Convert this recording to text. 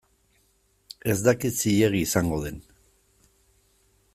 Ez dakit zilegi izango den.